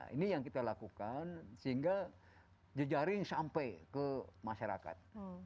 ini yang kita lakukan sehingga jejaring sampai ke masyarakat